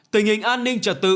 tình hình an ninh trật tự